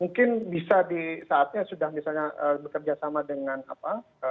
mungkin bisa di saatnya sudah misalnya bekerja sama dengan apa